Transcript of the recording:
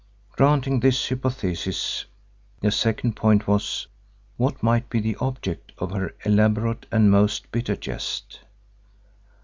Granting this hypothesis, the second point was—what might be the object of her elaborate and most bitter jest?